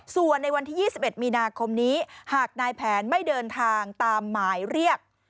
ส่วนในวันที่๒๑มีนาคมนี้หากนายแผนไม่เดินทางตามหมายเรียก